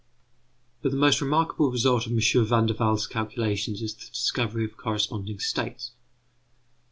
But the most remarkable result of M. Van der Waals' calculations is the discovery of corresponding states.